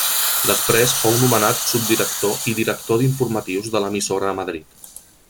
Després fou nomenat subdirector i director d'informatius de l'emissora a Madrid.